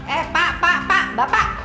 eh pak pak pak bapak